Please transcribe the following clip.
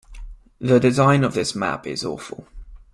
The design of this map is awful.